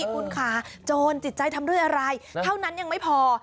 คุณค่ะโจรจิตใจทำด้วยอะไรเท่านั้นยังไม่พอ